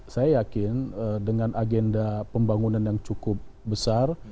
saya yakin dengan agenda pembangunan yang cukup besar